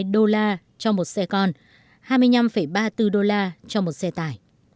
một mươi một năm mươi hai đô la cho một xe con hai mươi năm ba mươi bốn đô la cho một xe tải